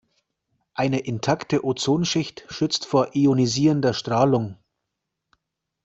Eine intakte Ozonschicht schützt vor ionisierender Strahlung.